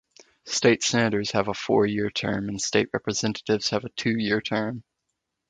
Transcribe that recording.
State Senators have a four-year term and State Representatives have a two-year term.